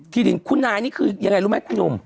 ที่ดินคุณนายนี่คือยังไงรู้ไหมคุณหนุ่ม